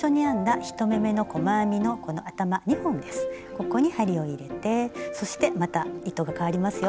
ここに針を入れてそしてまた糸がかわりますよ。